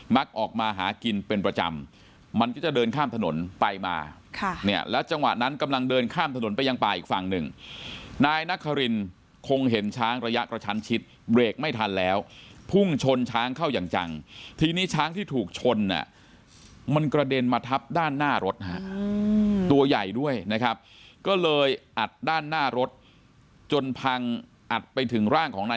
ออกมาหากินเป็นประจำมันก็จะเดินข้ามถนนไปมาค่ะเนี่ยแล้วจังหวะนั้นกำลังเดินข้ามถนนไปยังป่าอีกฝั่งหนึ่งนายนครินคงเห็นช้างระยะกระชั้นชิดเบรกไม่ทันแล้วพุ่งชนช้างเข้าอย่างจังทีนี้ช้างที่ถูกชนมันกระเด็นมาทับด้านหน้ารถฮะตัวใหญ่ด้วยนะครับก็เลยอัดด้านหน้ารถจนพังอัดไปถึงร่างของนาย